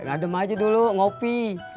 ngadem aja dulu ngopi